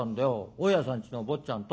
大家さんちの坊ちゃんと。